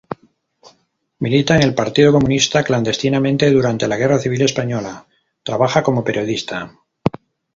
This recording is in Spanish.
Milita en el Partido Comunista clandestinamente; durante la Guerra Civil Española trabaja como periodista.